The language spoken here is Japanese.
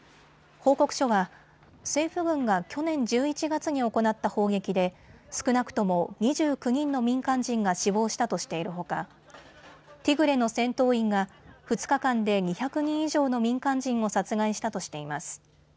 報告書は政府軍が去年１１月に行った砲撃で少なくとも２９人の民間人が死亡したとしているほかティグレの戦闘員が２日間で２００人以上の民間人を殺害したとしています。